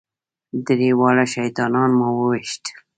درې واړه شیطانان مو وويشتل.